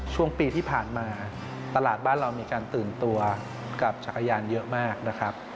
ช่วงปีที่ผ่านมาตลาดบ้านเรามีการตื่นตัวกับจักรยานเยอะมากนะครับ